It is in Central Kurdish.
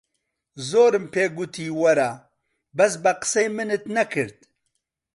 زۆرم پێ گۆتی وەرە، بەس بە قسەی منت نەکرد.